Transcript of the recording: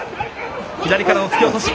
左から突き落とし。